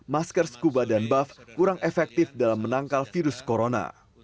masker scuba dan buff kurang efektif dalam menangkal virus corona